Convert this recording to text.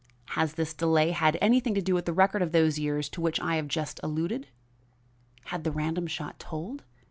Has this delay had anything to do with the record of those years to which I have just alluded?" Had the random shot told?